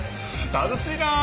楽しいな！